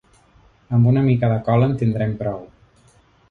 Amb una mica de cola en tindrem prou.